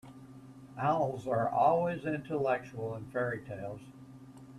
Owls are always intellectual in fairy-tales.